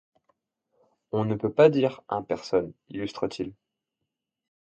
On ne peut pas dire “un personne”, illustre-t-il.